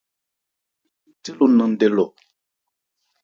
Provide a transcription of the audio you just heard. Lo li nnɛn ńthé lo nan ndɛ lɔ.